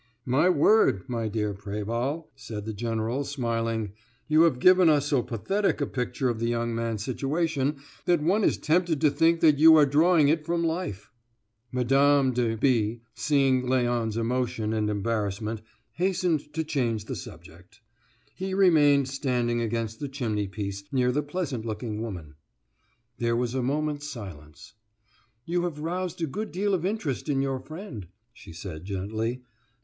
"My word, my dear Préval," said the general, smiling, "you have given us so pathetic a picture of the young man's situation that one is tempted to think you are drawing it from life." Mme. de B., seeing Léon's emotion and embarrassment, hastened to change the subject. He remained standing against the chimney piece, near the pleasant looking woman. There was a moment's silence. "You have roused a good deal of interest in your friend," she said gently.